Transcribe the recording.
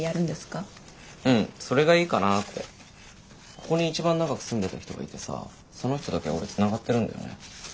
ここに一番長く住んでた人がいてさその人だけ俺つながってるんだよね。